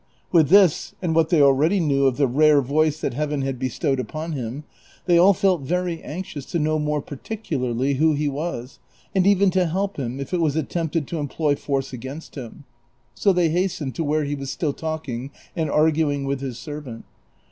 With this, and what they already knew of the rare voice that Heaven had bestowed upon him, they all felt very anxious to know more particularly who he was, and even to help him if it was at tempted to employ force against him ; so they hastened to where he was still talking and arguing with his servant.